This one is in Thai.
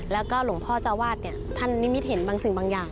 แล้วก็หลวงพ่อเจ้าวาดเนี่ยท่านนิมิตเห็นบางสิ่งบางอย่าง